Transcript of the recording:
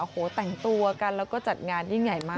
โอ้โหแต่งตัวกันแล้วก็จัดงานยิ่งใหญ่มาก